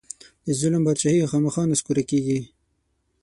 د ظلم بادچاهي خامخا نسکوره کېږي.